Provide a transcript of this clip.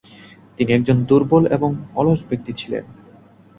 তিনি একজন দুর্বল এবং অলস ব্যক্তি ছিলেন।